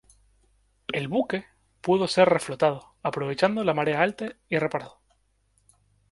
El buque pudo ser reflotado, aprovechando la marea alta, y reparado.